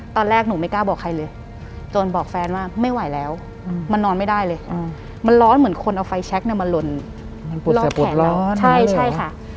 ตอนแรกหนูไม่กล้าบอกใครเลยจนบอกแฟนว่าไม่ไหวแล้วมันนอนไม่ได้เลยมันร้อนเหมือนคนเอาไฟแชคเนี่ยมาหล่นรอบแขนเราใช่ค่ะ